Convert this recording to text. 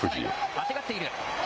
あてがっている。